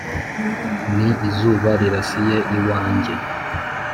Ni zuba rirasiye iwanjye,